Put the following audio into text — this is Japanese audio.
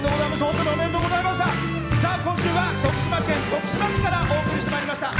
今週は徳島県徳島市からお送りしてまいりました。